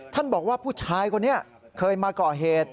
ท่านบอกว่าผู้ชายคนนี้เคยมาเกาะเหตุ